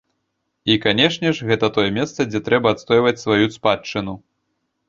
І, канешне ж, гэта тое месца, дзе трэба адстойваць сваю спадчыну.